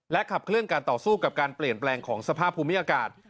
ขับเคลื่อนการต่อสู้กับการเปลี่ยนแปลงของสภาพภูมิอากาศ